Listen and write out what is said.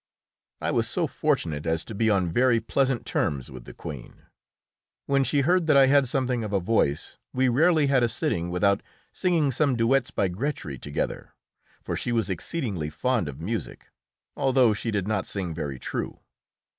I was so fortunate as to be on very pleasant terms with the Queen. When she heard that I had something of a voice we rarely had a sitting without singing some duets by Grétry together, for she was exceedingly fond of music, although she did not sing very true.